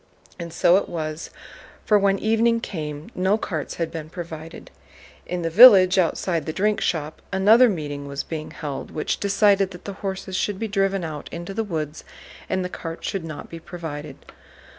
And so it was, for when evening came no carts had been provided. In the village, outside the drink shop, another meeting was being held, which decided that the horses should be driven out into the woods and the carts should not be provided.